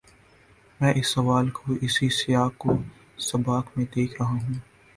میں اس سوال کو اسی سیاق و سباق میں دیکھ رہا ہوں۔